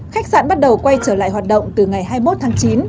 khách sạn bắt đầu quay trở lại hoạt động từ ngày hai mươi một tháng chín